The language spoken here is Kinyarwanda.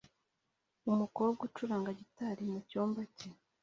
Umukobwa ucuranga gitari mucyumba cye